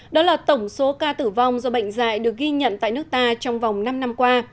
năm trăm một mươi hai đó là tổng số ca tử vong do bệnh dạy được ghi nhận tại nước ta trong vòng năm năm qua